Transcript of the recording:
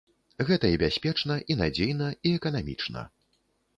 Гэта і бяспечна, і надзейна, і эканамічна.